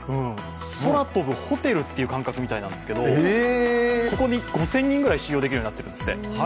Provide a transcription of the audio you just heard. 空飛ぶホテルっていう感覚みたいなんですけどここに５０００人ぐらい収容できるようになっているんですって。